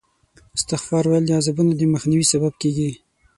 استغفار ویل د عذابونو د مخنیوي سبب کېږي.